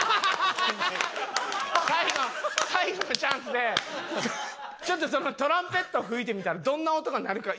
最後最後のチャンスでちょっとそのトランペット吹いてみたらどんな音が鳴るか。